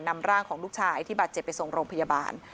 นำร่างของลูกชายที่บาดเจ็บไปส่งโรงพยาบาล